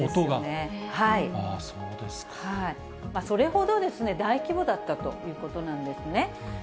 それほどですね、大規模だったということなんですね。